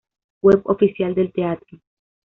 Web oficial del teatro